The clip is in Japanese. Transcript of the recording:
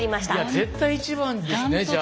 絶対１番ですねじゃあ。